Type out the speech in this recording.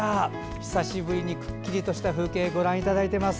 久しぶりにくっきりとした風景ご覧いただいています。